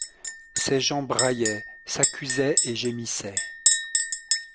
Ces gens braillaient, s'accusaient et gémissaient.